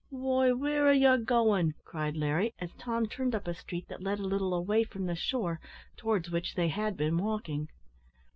"Why, where are ye goin'?" cried Larry, as Tom turned up a street that led a little away from the shore, towards which they had been walking!